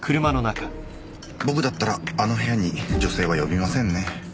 僕だったらあの部屋に女性は呼びませんね。